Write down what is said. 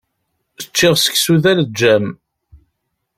Ččiɣ seksu d aleǧǧam.